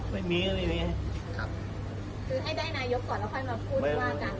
ไม่มีไม่มี